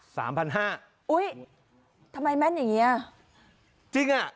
สามพันห้าอุ้ยทำไมแม่นอย่างเงี้ยจริงอ่ะ